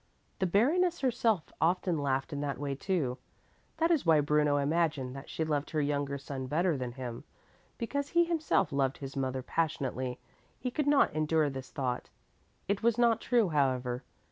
The Baroness herself often laughed in that way, too. That is why Bruno imagined that she loved her younger son better than him, and because he himself loved his mother passionately, he could not endure this thought. It was not true, however.